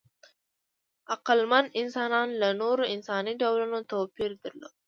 عقلمن انسانان له نورو انساني ډولونو توپیر درلود.